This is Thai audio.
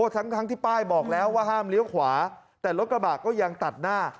ทั้งที่ป้ายบอกแล้วว่าห้ามเลี้ยวขวาแต่รถกระบะก็ยังตัดหน้า